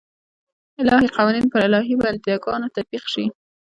الهي قوانین پر الهي بنده ګانو تطبیق شي.